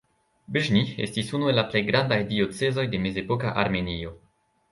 Bĵni estis unu el la plej grandaj diocezoj de mezepoka Armenio.